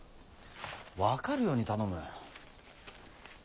分かるように頼む。